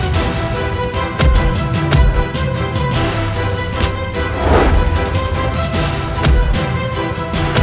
jangan lagi membuat onar di sini